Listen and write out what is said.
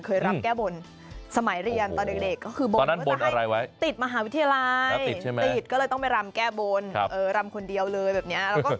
รำแก้บนสมัยเรียนตอนเด็กก็คือบนว่าจะให้ติดมหาวิทยาลัยติดก็เลยต้องไปรำแก้บนรำคนเดียวเลยแบบนี้